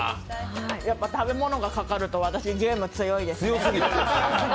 やっぱ食べ物がかかると私、ゲーム強いです。